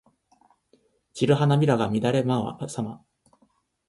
散る花びらが乱れ舞うさま。